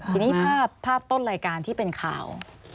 ทีนี้ภาพต้นรายการที่เป็นข่าว